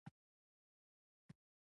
که چین وده وکړي نړۍ وده کوي.